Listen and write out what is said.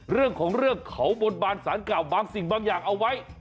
เรื่องของเรื่องเขาบนบานสารเก่าบางสิ่งบางอย่างเอาไว้